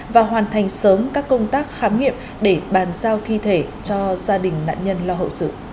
và hoàn thành sớm các công tác khám nghiệm để bàn giao thi thể cho gia đình nạn nhân lo hậu sự